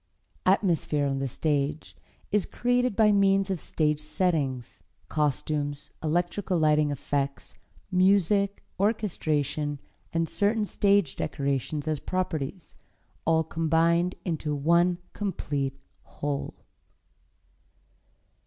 Atmosphere on the stage is created by means of stage settings, costumes, electrical lighting effects, music, orchestration, and certain stage decorations as properties, all combined into one complete whole.